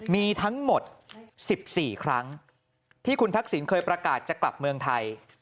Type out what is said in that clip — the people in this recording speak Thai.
มีทั้งหมด๑๔ครั้งที่คุณทักษิณเคยประกาศจะกลับเมืองไทย